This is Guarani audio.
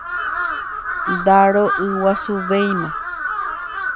Ndaro'yguasuvéima.